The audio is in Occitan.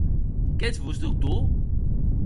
Qu’ètz vos, Doctor!